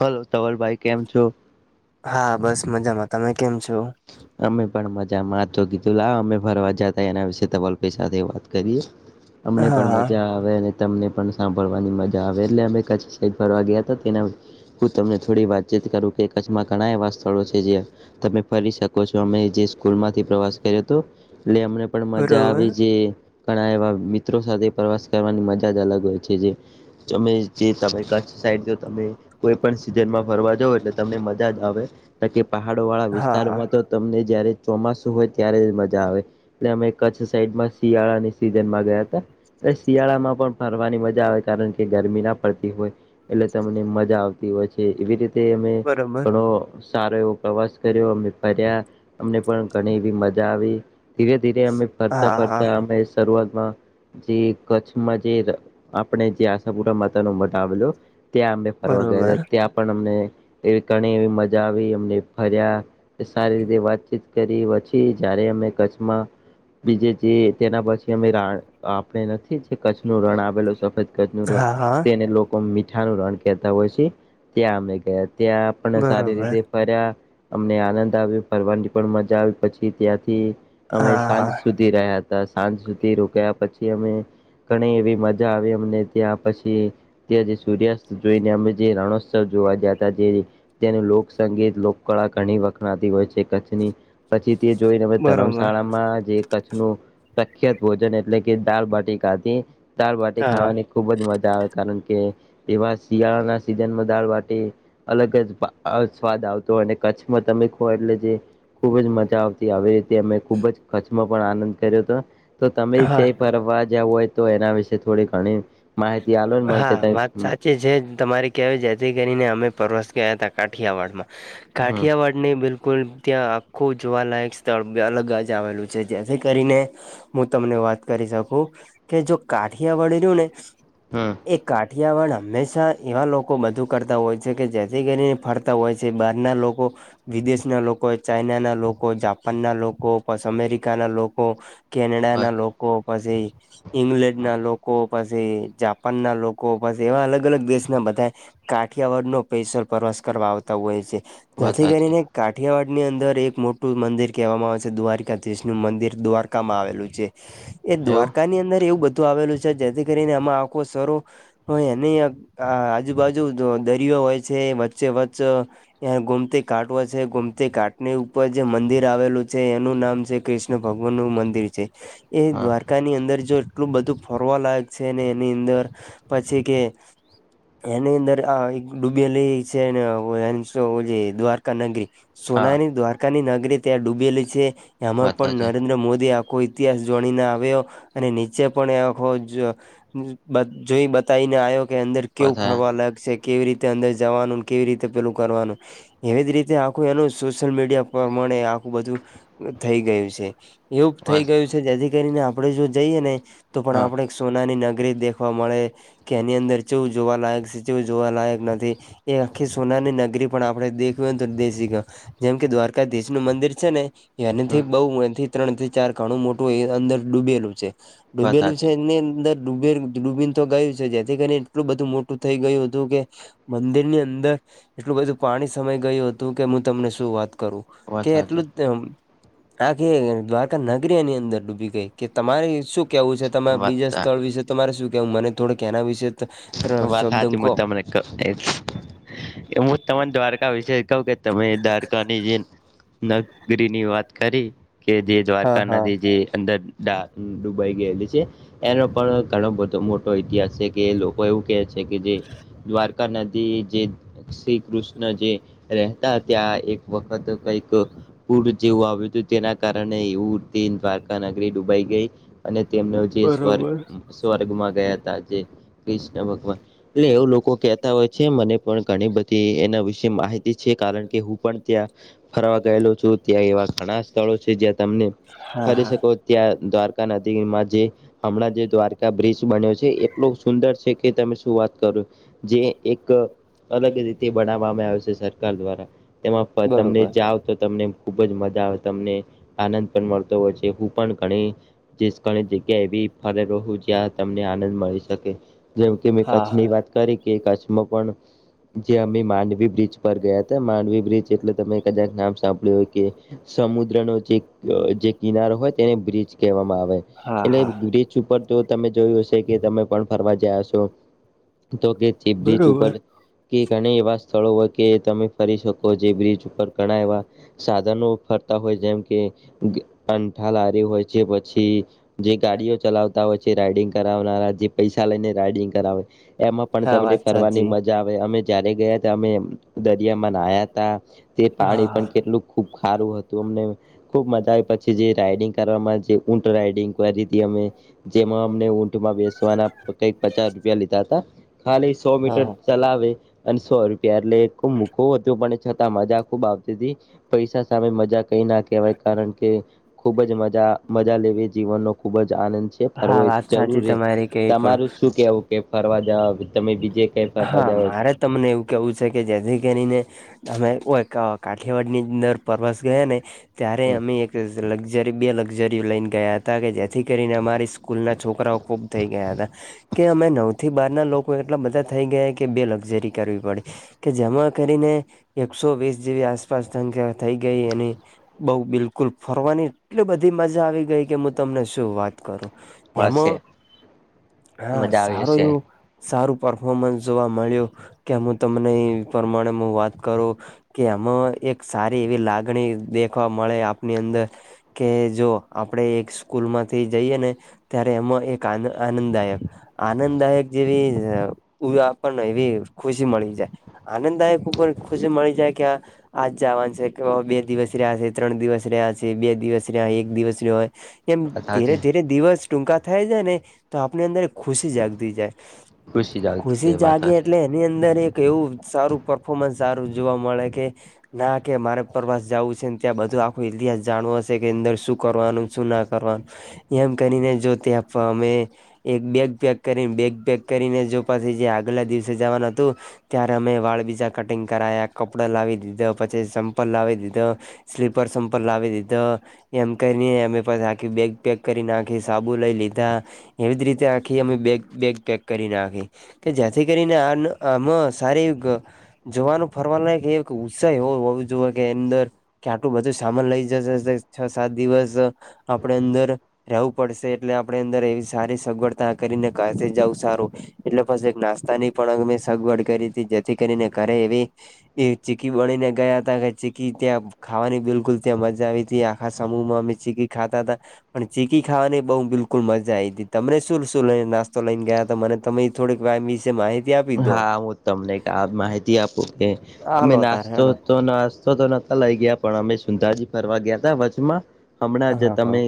Hello ધવલભાઈ કેમ છો? હા બસ મજામાં તમે કેમ છો? અમે પણ મજામાં તો કીધું લા અમે ફરવા જાતા એના વિસે ધવલભાઈ સાથે વાત કરીએ. અમને હા પણ હા મજા આ તમને પણ સાંભળવાની મજા આવે એટલે અમે કચ્છ સાઇડ ફરવા ગયા તેના હું તમને થોડી વાતચીત કરું કે કચ્છમાં ઘણા એવા સ્થળો છે જે તમે ફરી શકો છો અમે જે સ્કૂલ માંથી પ્રવાસ કર્યો હતો એટલે અમને પણ મજા બરોબર આવી જે ઘણા એવા મિત્રો સાથે પ્રવાસ કરવાની મજા જ અલગ હોય છે જે તમે જે તમે કચ્છ સાઇડ જો તમે કોઈ પણ સીઝનમાં ફરવા જવ એટલે તમને મજા જ આવે કે પહાડો વાળા હા હા વિસ્તારોમાં તો તમને જયારે ચોમાસું હોય ત્યારે મજા આવે. એટલે અમે કચ્છ સાઈડમાં શિયાળાની સિઝનમાં ગયા હતા. ને શિયાળામાં પણ ફરવાની મજા આવે કારણ કે ગરમી ના પડતી હોય. એટલે તમને મજા આવતી હોય છે, એવી રીતે અમે બરોબર ઘણો સારો એવો પ્રવાસ અમે ફર્યા અમને પણ ઘણી એવી મજા આવી. ધીરે ધીરે અમે ફરતા હા હા ફરતા અમે શરૂઆતમાં જે કચ્છમાં જે આપણે જે આશાપુરા માતા ન મઢ આવેલો ત્યાં અમે ફરવા બરોબર ગયા ત્યાં પણ અમને ઘણી એવી મજા આવી અમને ફર્યા. સારી રીતે વાતચીત કરી પછી જારે અમે કચ્છમાં બીજે જે તેના પછી અમે રણ આપણે નથી જે કચ્છ નું રણ આવેલું સફદ હા હા તેને લોકો મીઠાનું રણ કેતા હોય છે ત્યાં અમે ગયા ત્યાં પણ સારી બરોબર રીતે ફર્યા અમને આનંદ આવ્યો ફરવાની પણ મજા આવી પછી ત્યાંથી અમે હા હા સાંજ સુધી રહ્યા હતા સાંજ સુધી રોકયા પછી અમે ઘણી એવી મજા આવે અમને ત્યાં પછી ત્યા સૂર્યાસ્ત જોઈને જે રણોત્સવ જોવા જયા હતા જે તેનું લોકસંગીત ઘણી વખણાતી હોય છે કચ્છની પછી તે જોઈને બરોબર ધર્મશાળામાં જે પ્રખ્યાત ભોજન એટલે કે દળબાટી ખાધી દળબાટી હા ખાવાની - ખુબ જ મજા આવે કારણ કે એવા શિયાળાના સીઝનમાં દાળ બાટી અલગ જ સ્વાદ આવતો અને કચ્છમાં તમે ખો એટલે જે ખુબ જ મજા આવતી હ રીતે અમે ખુબ જ કચ્છમાં પણ આનંદ કર્યો હતો. તો તમે હા જે ફરવા જવ હોય તો એના વિશે થોડી ઘણી માહિતી આલો ને મને હા કે ત વાત સાચી છે તમારી જેથી કરીને અમે પરવાસ ગયા હતા કાઠિયાવાડમાં હમ કાઠિયાવાડ ને બિલકુલ ત્યાં આખું જોવાલાયક સ્થળ અલગ જ આવેલું છે જેથી કરીને હું તમને વાત કરી શકું કે જો કાઠિયાવાડ રયુ ને હા એ કાઠિયાવાડ હંમેશા એવા લોકો બધું કરતા હોય છે કે જેથી કરીને ફરતા હોય છે બહારના લોકો વિદેશ ના લોકો ચાઈના ના લોકો જાપાન ના લોકો પસ અમેરિકા ના લોકો કેનેડા ના લોકો પાસી ઈંગ્લેન્ડ ના લોકો પાસી જાપાનના લોકો બસ એવા અલગ અલગ દેશના બધા કાઠિયાવાડ નો સ્પેશલ પ્રવાસ કરવા આવતા હોય છે, વાત જેથી સાચી કરીને કાઠીયાવાડ ની અંદર એક મોટું મંદિર કહેવામાં આવે છે, દ્વારકાધીશ નું મંદિર, દ્વારકામાં આવેલું છે. એ એવું દ્વારકાની અંદર એવું બધું આવેલું છે જેથી કરીને આમાં આખો શરો હ એની આ આજુબાજુ દરિયો હોય છે વચ્ચે વચ્ચ ગોમતી ઘાટ હો છે ગોમતી ઘાટની ઉપર જે મંદિર આવેલું છે એનું નામ છે ક્રિષ્ણ કષ્ણ ભગવાન નું મંદિર છે એ હા દ્વારકા ની અંદર જો એટલું બધું ફરવા લાયક છે અને ની અંદર પછી કે એની અંદર આ એક ડૂબેલી છે એને [unintelligible] ઓલી દ્વારકા નગરી હા સોનાની દ્વારકાની નગરી ત્યાં ડૂબેલી છે, એમાં વાત પણ સાચી નરેન્દ્ર મોદી આ કોઈ ઇતિહાસ જોડીને આવ્યો અને નીચે પણ એ આખો જ બ જોઈ બતાવીને આયો કે અંદર વાત કેવું ફરવાલાયક સે. કેવી રીતે અંદર જવાનું, ને કેવી રીતે પેલું કરવાનું એવી જ રીતે આખું એનું સોશિયલ મીડિયા પ્રમાણે આખું બધું થઈ ગયું છે. એવુંપ થઈ વાત ગયું છે જેથી કરીને આપડે જો જઈએ ને તો પણ એક હા આપણેે સોનાની નગ રી દેખવા મળે, કે એની અંદર ચેવું જોવાલાયક સે, ચેવું જોવાલાયક નથી એ આખી સોનાની નગરી પણ આપડે દેખવીન હોય તો દેશિકો જેમ કે દ્વારકાધીશ નું મંદિર છે ને હમ એનાથી બઉ એથી ત્રણ થી ચાર ઘણું મોટું એ અંદર ડૂબેલું છે. વાત ડૂબેલું છે હાચી એની અંદર ડૂબેલું ડૂબીન તો ગયું છે જેથી કરીને એટલું બધું મોટું થઇ ગયું હતું કે મંદિર ની અંદર એટલું બધું પાણી સમાય ગયું હતું, કે હું તમને શું વાત કરું. વાત કે હાચી એટલું જ તમ આ કે દ્વારકા નગરી એની અંદર ડૂબી ગઈ, કે તમારે શું કેવું છે તમાર વાત બીજા? સા સ્થળ વિશે તો મારે શું કેવું? મને થોડીક એના વિશે ત ત્રણ વાત શબ્દ હાચી હું કહો તમને [unintelligible] એ હું તમને દ્વારકા વિશે કહું કે તમે દ્વારકા ની જે નગરીની વાત કરી, કે જે હા દ્વારકા હા નદી જે અંદર ડા ડુબાઈ ગયેલી સે. એનો પણ ઘણો બધો મોટો ઇતિહાસ છે, કે એ લોક કો એવું કે છે કે જે દ્વારકા નદી જે શ્રી કૃષ્ણ જે રહેતા ત્યાં એક વખત કંઈ ક પૂર જેવું આવ્યું તું, તેના કારણે એ ઉ તે દ્વારકા નગરી ડુબાઈ ગઈ. અને તેમનો જે સ્વર્ગ-સ્વર્ગમાં ગયા તા જે કૃષ્ણ ભગવાન એટલે એવું લોકો કેતા હોય છે, મને પણ ઘણી બધી એના વિશે માહિત તી કારણ કે હું પણ ત્યાં ફરવા ગયેલો છું, ત્યાં એવા ઘણા સ્થળો છે, જ્યાં તમને હા ફરી હા શકો ત્યાં દ્વારકા નદીમાં જે હમણાં જે દ્વારકા બ્રિજ બન્યો છે, એ એટલો સુંદર છે કે તમે શું વાત કરો જે એક અલગ રીતે બનાવવામાં આવે છે સરકાર દ્વારા. તેમાં પ તમને બરોબર જાવ તો તમને ખુબ જ મજા આવે, તમને આનંદ પણ મળતો હોય છે. હું પણ ઘણી જે સ્કળે જગ્યા એવી ફરેલો હુ, જ્યાં તમને આનંદ મળી શકે. જેઉં કે મે હા કચ્છની હા વાત કરી કે કચ્છમાં પણ જે અમે માંડવી બ્રિજ પર ગયા તા માંડવી બ્રિજ, એટલે તમે કદાક નામ સાંભળ્યું હોય કે સમુદ્રનો જે અહ જે કિનારો હોય તેને બ્રિજ કહેવામાં આવે. હા એટલે હા બીચ ઉપર તો તમે જોયું હશે કે તમે પણ ફરવા જયા હશો, તો કે ચીપ બીચ બરોબર ઉપર કે ઘણે એવા સ્થળો હોય, કે તમે ફરી શક [unintelligible] જે બ્રિજ ઉપર ઘણા એવા સાધનો ફરતા હોય, જેમ કે કંઠા લારી હોય છે, પછી જે ગાડીઓ ચલાવતા હોય છે, રાઈડિંગ કરાવનારા જે પૈસા લઈને રાઈડિંગ કરાવે, એમાં પણ હા તમને વાત ફરવાની સાચી મજા આવ અમે જયારે ગયાતા અમે દરિયા માં નાયાતા તે પાણી હા પણ કેટલુ ખુબ ખારું હતુ અમને ખુબ મજા આવે પછી જે રાઈડિંગ કરવામાં જે ઊંટ રાઈડિંગ કરી હતી, અમે જેમાં અમને ઊંટમાં બેસવાના કાઈ પચાસ રૂપિયા લીધા તા, ખાલી સો મીટર હા ચલાવે અને સો રૂપિયા, એટલે એ ખૂબ મૂકો હતો પણ છતા, મજા ખુબ આવતી તી. પૈસા સામે મજા કંઈ ના કહેવાય, કારણ કે ખૂબ જ મજા-મજા લેવી જીવનનો ખૂબ જ આનંદ છે, ફરવો હા એક વાત સાચી જરૂર હે તમારી કઈ પણ તમારુ શું કેવું કે ફરવા જાવા હા, મારે તમને એવું કેવું છે, કે જેથી કરીને અમે કો કાઠિયાવાડ ની અંદર પ્રવાસ ગયા ને ત્યારે છો અમે એક લક્ઝરી બે લક્ઝરીઓ લઈને ગયા હતા, કે જેથી કરીને અમારી સ્કૂલના છોકરાઓ ખૂબ થઈ, ગયા હતા. કે અમે નવ થી બાર ના લોકો એટલા બધા થઈ ગયા કે બે લક્ઝરી કરવી પડે કે જમા કરીને એકસો વીસ જેવી આસપાસ સંખ્યા થઈ ગઈ. એની બહું બિલકુલ ફરવાની એટલી બધી મજા આવી ગઈ. કે હું તમને શું વાત કરુ એમાં હશે હા, મજા આવી સારું હશે એવુ સારું પરફોર્મન્સ જોવા મળ્યું કે હું તમને પ્રમાણે હુ, વાત કરુ કે એમાં એક સારી એવી લાગણી દેખવા મળે આપની અંદર કે જો આપણે એક સ્કૂલમાંથી જઈએ ને ત્યારે એમાં એક આનંદાયક આનંદાયક જેવી આપણને એવી ખુશી મળી જાય. આનંદાયકર ખુશી મળી જાય, કે આ આજ જવાનું છે કે બે દિવસ રહ્યા છે ત્રણ દિવસ રહ્યા છે. બે દિવસ રહ્યા એક દિવસ રહ હોય એમ વાત ધીરે સાચી ધીરે દિવસ ટૂંકા થાય જાય ને તો આપની અંદર ખુશી જાગતી જાય. ખુશી જ આવતી ખુશી છે વાત જાગે સાચી એટલે એની અંદર એક એવું સારું પરફોર્મન્સ સારું જોવા મળે કે ના કે મારે પ્રવાસ જવું છેને. ત્યાં બધું આખો ઇતિહાસ જાણવો હશે કે અંદર શું કરવાનું શું ના એમ કરીને જો તે અમે એક બેગ પેક કરીને બેગ પેક કરીને જો પછી જે આગલા દિવસે જવાનું હતુ. ત્યારે અમે વાળ બીજા કટિંગ કરાયા કપડા લાવી દીધો પછી ચમ્પલ લાવી દીધો. સ્લીપર સંપર લાવી દીધો. એમ કરીને અમે પાછા આખી બેગ પેક કરીને આખી સાબુ લઈ લીધા એવી જ રીતે આખી અમે બેગ બેગ કરી નાખી કે જેથી કરીને આ આમાં સારી જોવાનું ફરવાનું લાયક એ ઉત્સાહી હોવ હો જોઈએ કે અંદર કે આટલું બધું સામાન લઈ જશે છ સાત દિવસ આપડ અંદર રહેવું પડશે એટલે આપડ અંદર એવી સારી સગવડતા કરીને જાવ સારું એટલે પછી એક નાસ્તા ની પણ મે સગવડ કરી હતી જેથી કરીને ઘરે એવી એ ચીકી બનીને ગયા હતા કે ચીકી ત્યાં ખાવાની બિલકુલ ત્યાં મજા આવી હતી આખા સમૂહમાં અમે ચીકી ખાતા હતા પણ ચીકી ખાવાની બહુ બિલકુલ મજા આવી હતી તમને શું શું લઈને નાસ્તો લઈને ગયા. મને તમે થોડીક વિશે માહિતી આપી દો હા હું તમને આ માહિતી આપું કે અમે હાલો તાર નાસ્તો હેડો તો નાસ્તો તો નોતા લઈ ગયા પણ અમે સુંંધાજી ફરવા ગયા હતા વચમાં હમણાં જ હા હા તમે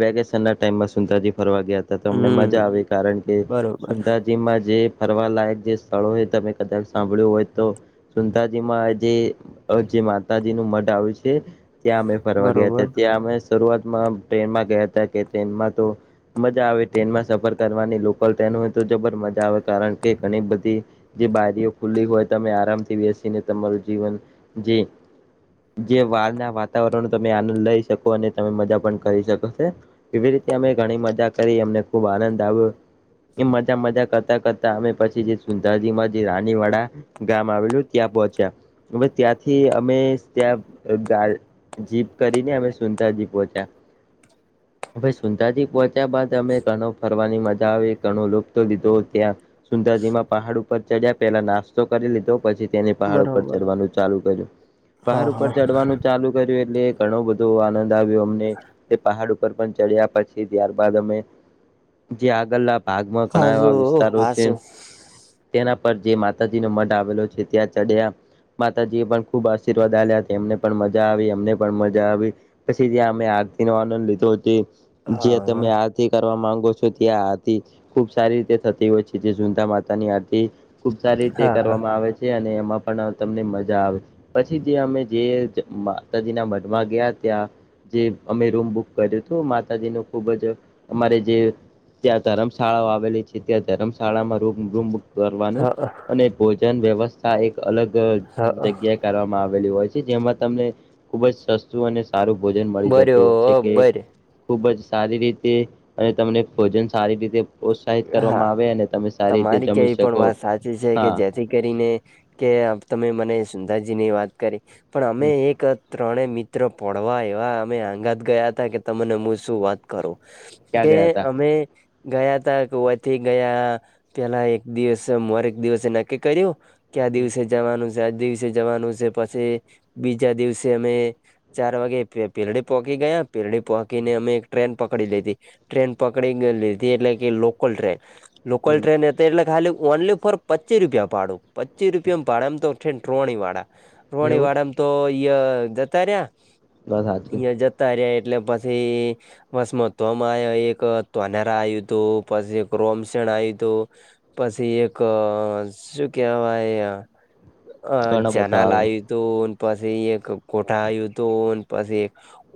વેકેશના ટાઈમે સુંદરાજીમાં ફરવા ગયા અમને હમ મજા આવે કારણ કે બરોબર સુંદરાજીમાં જે ફરવાલાયક જે સ્થળો તમે કદાચ સાંભળ્યું હોય તો સુંદરાજીમાં જે જે માતાજી નું મઢં આવે છે. ત્યાં અમે ફરવા ગયા બરોબર હતા ત્યાં અમે શરૂઆતમાં ટ્રેનમાં ગયા હતા કે ટ્રેનમાં તો મજા આવે ટ્રેનમાં સફર કરવાની લોકલ ટ્રેન હોય તો જબર મજા આવે. કારણ કે ઘણી બધી જે બારીઓ ખુલ્લી હોય તમે આરામથી બેસીને તમારું જીવન જે જે વાળના વાતાવરણનો તમે આનંદ લઈ શકો અને તમે મજા પણ કરી શકો છે. એવી રીતે અમે ઘણી મજા કરી અમને ખુબ આનંદ આવ્યો એ મજા મજા કરતા કરતા અમે પછી સુંદાજીમાં જે રાનીવાડા ગામ આવેલું ત્યાં પહોંચ્યા. હવે ત્યાંથી અમે ત્યાં ગ જીપ કરીને અમે સુંદરાજી પહોંચ્યા. સુંધાજી પોહોચ્યા બાદ અમે ઘણું ફરવાની મજા ઘણો લતો લીધો ત્યાં સુંદરજીમાં પહાડ ઉપર ચડ્યા પેલા નાસ્તો કરી લીધો. પછી તેને પહાડ ઉપર બરોબર ચડવાનું ચાલુ કર્યું, હા પહાડ ઉપર હા ચડવાનું ચાલુ કર્યું એટલે ઘણો બધો આનંદ આવ્યો અમને, તે પહાડ ઉ ચડ્યા પછી ત્યારબાદ અમે જે આગળના ભાગમાં ઘણા એવા હાજુ વિસ્તારો હાસુ તેના પર જે માતાજી નો મઢ આવેલો છે ત્યાં ચડ્યા. માતાજી એ પણ ખુબ આશીર્વાદ આપ્યા હતા એમને પણ મજા આવી એમને પણ મજા આવી. પછી જ્યાં અમે આરતી નો આનંદ લીધો તે હા જ્યા તમે આરતી કરવા માંગો છો ત્યાં આરતી ખુબ સારી રીતે થતી હોય છે. જે સુંતા માતા ની આરતી ખુબ સારી રીતે હા હા કરવામાં આવે છે અને એમાં પણ તમને મજા આવે. પછી જે અમે જે માતાજીના મનમાં ગયા ત્યાં જે અમે રૂમ બુક કર્યું તું માતાજી નું ખુબ જ અમારે જે ત્યાં તરમ શાળા આવેલી છે ત્યાં તરમ શાળામાં રૂમ રૂમ કરવાનું હા અને ભોજન વ્યવસ્થા એક અલગ જે હા જગ્યા કરવામાં આવેલી હોય છે જેમાં તમને ખુબ જ સસ્તું અને સારું ભોજન મળી જતું હોય છે કે બરોબર ખુબ જ સારી રીતે અને તમને ભોજન સારી રીતે પ્રોત્સાહિત હા કરવામાં આવે અને તમે સારી રીતે તમારી તે જમી પણ શકો વાત સાચી છે કે હા જે થી કરીને કે તમે મને સુંંધાજી ની વાત કરી પણ અમે એક ત્રણે મિત્ર પનવા આયવા અમે આંગાત ગયા હતા કે તમને હું શું વાત કરું? ક્યાં કે ગયા તા અમે ગયા તા તો અથી ગયા પેલા એક દિવસે મોરે એક દિવસે નક્કી કર્યું. ક્યા દિવસે જવાનું છે, આજ દિવસે જવાનું છે પછી બીજા દિવસે અમે ચાર વાગે પેરડી પોગી ગયા પેરડી પોગીને અમે એક ટ્રેન પકડી લીધી. ટ્રેન પકડી લીધી એટલે કે લોકલ ટ્રેન. લોકલ ટ્રેન એટલે ખાલી ઓનલી ફોર પચીસ રૂપિયા ભાડું, પચી રૂપિયા ભાડા મા ટ્રોણી વાળા રણી એવું વાળામાં તો ઈ જતા રયા, બસ સાચું ટી હજાર તા રયા એટલે પછી બસમાં તોમાં આયા એક તું આવ્યું તુ પછી એક રોમશન આવ્યું તુ પછી એક શું કેહેવાય, અ ઘણો બધા જેના આવે લાવી તું ન પછી એક કોઠા આવ્યું તો ન પછી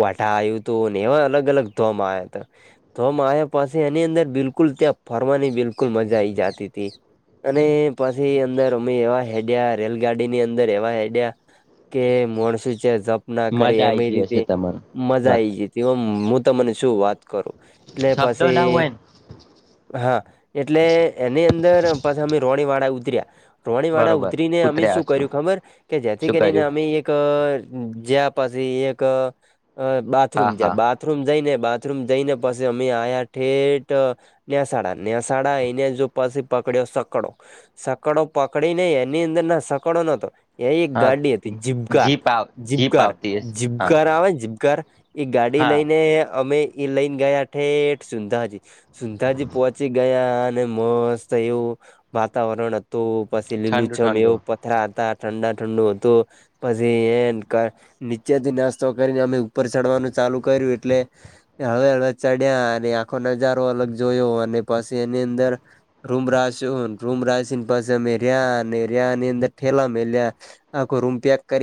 વાટા આવ્યું તું ને એવા અલગ અલગ ધોમ આવ્યા તા. ધોમ આયા પસે એની અંદર બિલકુલ ત્યાં ફરવાની બિલકુલ મજા આયી જાતી તી. અને પછી અંદર અમે એવા હેડિયા રેલગાડીની અંદર એવા હેડિયા કે માણસું છે જપ ના કરી મજા એમ આઈ ગઈ રીતે હશે તમારે મજા વાત આઈ જી તે હું તમને શું વાત કરું, ને શબ્દો ના પછી હોય ને હા એટલે એની અંદર પછે અમે રોણી વાળા ઉતર્યા. રોણી વાળા બરોબર ઉતરીને અમે ઉતર્યા શું છો કર્યું ખબર કે જેથી શું કરીને કર્યું અમે એક એક જ્યા પછી એક બાથરૂમ હા હા ગ્યા બા બાથરૂમ જઈને બાથરૂમ જઈને પછી અમ મે આયા ઠેટ નેસાડા નેસાડા આઇ ને જો પછી પકડ્યો સકડો. સકડો પકડી ને એની અંદર ના સકડો નતો એ એક હા ગાડી હતી જીભકાર. જીપ આવ જીપ જીભકાર, આવતી હશે હા જીભકાર આવે જીભકાર એ ગાડી હા લઈને અમે ઈ લઈને ગયા ઠેઠ સુંંધાજી સુંંધાજી પહોંચી ગયા અન ને મસ્ત એવું વાતાવરણ હતું પછી ઠંડુ લીલુંછમ ઠંડુ એવું ત્યાં હતા ઠંડા ઠંડુ હતુ પછી એમ નીચેથી નાસ્તો કરીને અમે ઉપર ચડવાનું ચાલુ કર્યું એટલે હવે હવે ચડ્યા અને આખો નજારો અલગ જોયો અને પછી એની અંદર રૂમરાસી રૂમરાશિની પાસે અમે ર્યા અને ર્યા ની અંદર ઠેલા મેલ્યા. આખો રૂમ પેક કરી